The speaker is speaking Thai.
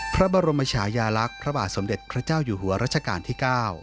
พระบรมชายาลักษณ์พระบาทสมเด็จพระเจ้าอยู่หัวรัชกาลที่๙